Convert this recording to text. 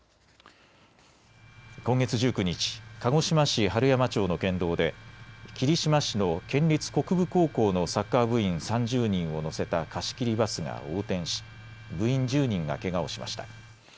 今月１９日、鹿児島市春山町の県道で霧島市の県立国分高校のサッカー部員３０人を乗せた貸し切りバスが横転し部員１０人がけがをしました。